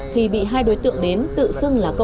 thì bị hai đối tượng đến tự xưng là cướp